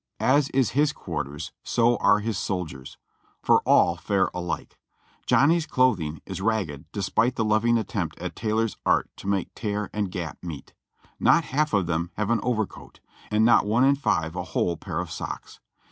As is his quarters, so are his soldiers', for all fare alike. Johnny's clothing is ragged despite the loving attempt at tailor's art to make tear and gap meet. Not half of them have an over coat, and not one in five a whole pair of socks.